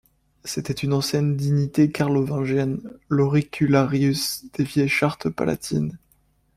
C’était une ancienne dignité carlovingienne, l’auricularius des vieilles chartes palatines.